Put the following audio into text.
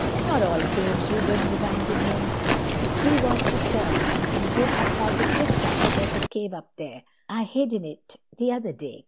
"Not all caves," Reuben reminded him. "If we was to turn and go up by the cliff path. There's a cave up there. I hid in it t'other day.